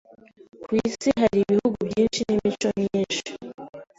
Ku isi hari ibihugu byinshi n'imico myinshi.